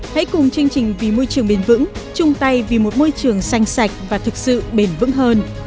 hãy cùng chương trình vì môi trường biên vững chung tay vì một môi trường xanh xanh